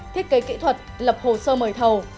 thiết kế kỹ thuật lập hồ sơ mời thầu